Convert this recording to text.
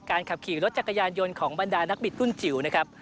ขับขี่รถจักรยานยนต์ของบรรดานักบิดรุ่นจิ๋วนะครับ